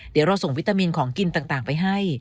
เดี๋ยวเราส่งวิตามินของกินต่างไปให้